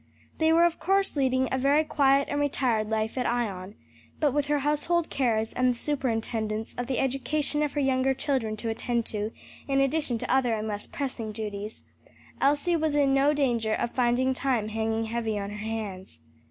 They were of course leading a very quiet and retired life at Ion; but with her household cares and the superintendence of the education of her younger children to attend to in addition to other and less pressing duties, Elsie was in no danger of finding time hanging heavy on her hands.